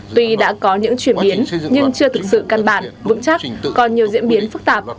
tuy đã có những chuyển biến nhưng chưa thực sự căn bản vững chắc còn nhiều diễn biến phức tạp